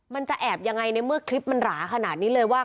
มันจะแอบยังไงในเมื่อคลิปมันหราขนาดนี้เลยว่า